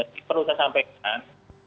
terus perlu saya sampaikan